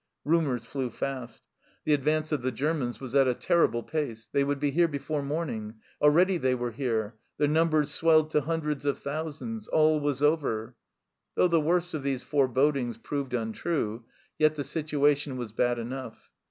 Rumours flew fast. The advance of the THE RETREAT 49 Germans was at a terrible pace. They would be here before morning ! Already they were here ! Their numbers swelled to hundreds of thousands all was over ! Though the worst of these fore bodings proved untrue, yet the situation was bad enough.